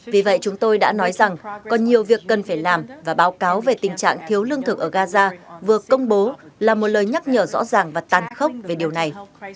vì vậy chúng tôi đã nói rằng còn nhiều việc cần phải làm và báo cáo về tình trạng thiếu lương thực ở gaza vừa công bố là một lời nhắc nhở rõ ràng và tàn khốc về điều này